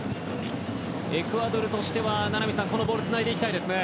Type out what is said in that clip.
エクアドルとしては名波さん、このボールをつないでいきたいですね。